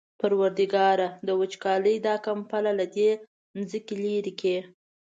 پروردګاره د وچکالۍ دا کمپله له دې ځمکې لېرې کړه.